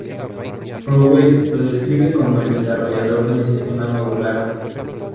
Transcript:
Brouwer lo describe como el desarrollo de un sistema modular.